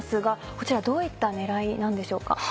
こちらどういった狙いなんでしょうか？